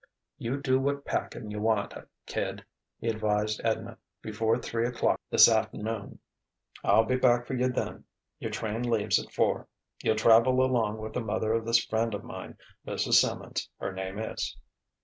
"You do what packin' you wanta, kid," he advised Edna, "before three o'clock thisaft'noon. I'll be back for you then. Your train leaves at four. You'll travel along with the mother of this friend of mine Mrs. Simmons, her name is."